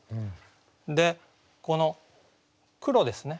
でこの「黒」ですね。